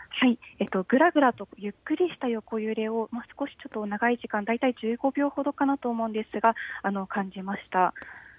ぐらぐらとゆっくりとした横揺れを、少しちょっと長い時間、大体１５秒ほどかなと思うんですが、感じました。